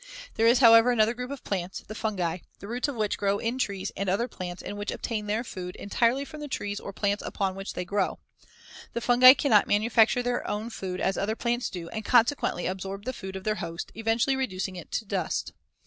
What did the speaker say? There is, however, another group of plants, the fungi, the roots of which grow in trees and other plants and which obtain their food entirely from the trees or plants upon which they grow. The fungi cannot manufacture their own food as other plants do and consequently absorb the food of their host, eventually reducing it to dust.